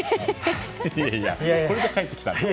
いやいやこれで帰ってきたの？